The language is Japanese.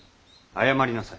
謝りなさい。